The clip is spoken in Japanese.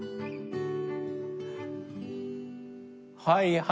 はい。